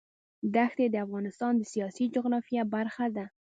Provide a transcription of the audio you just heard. دښتې د افغانستان د سیاسي جغرافیه برخه ده.